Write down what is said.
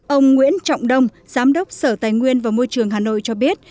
ông nguyễn trọng đông giám đốc sở tài nguyên và môi trường hà nội cho biết